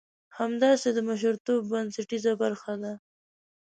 همداسې د مشرتوب بنسټيزه برخه ده.